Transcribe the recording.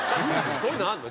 そういうのあるの？